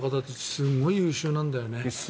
すごい優秀なんだよね。